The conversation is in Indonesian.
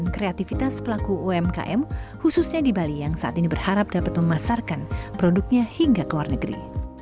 kreativitas pelaku umkm khususnya di bali yang saat ini berharap dapat memasarkan produknya hingga ke luar negeri